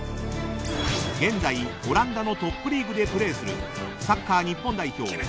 ［現在オランダのトップリーグでプレーするサッカー日本代表